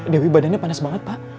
dewi badannya panas banget pak